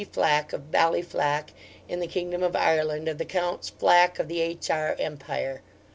Flack, of Ballyflack, in the Kingdom of Ireland of the Counts Flack of the H. R. Empire.